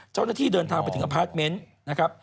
เจ้าหน้าที่เดินทางไปถึงอพาร์ทเมนต์นะครับ